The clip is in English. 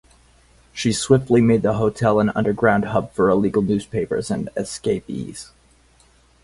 She swiftly made the hotel an underground hub for illegal newspapers and escapees.